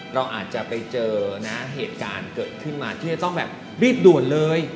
เราอาจจะไปเจอนะเหตุการณ์เกิดขึ้นมาที่จะต้องแบบรีบด่วนเลย